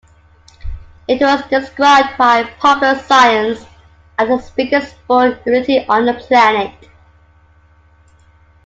It was described by Popular Science as the biggest sport utility on the planet.